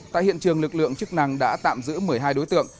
tại hiện trường lực lượng chức năng đã tạm giữ một mươi hai đối tượng